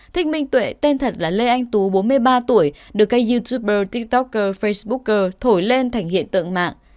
thích minh tuệ tên thật là lê anh tú bốn mươi ba tuổi được kênh youtuber tiktoker facebook thổi lên thành hiện tượng mạng